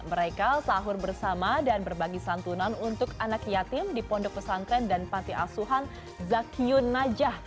mereka sahur bersama dan berbagi santunan untuk anak yatim di pondok pesantren dan panti asuhan zakyun najah